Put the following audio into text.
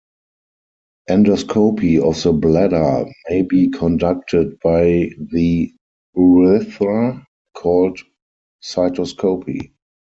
Endoscopy of the bladder may be conducted by the urethra, called cystoscopy.